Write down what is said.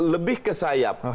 lebih ke sayap